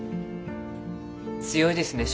強いですね所長。